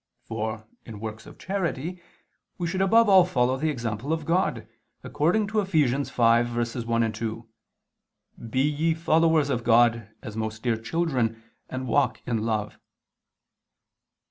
For, in works of charity, we should above all follow the example of God, according to Eph. 5:1, 2: "Be ye followers of God, as most dear children, and walk in love."